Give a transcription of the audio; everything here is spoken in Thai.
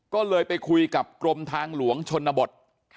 ก็เลยไปคุยกับกรมทางหลวงชนบท